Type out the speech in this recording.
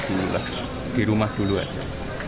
di rumah dulu saja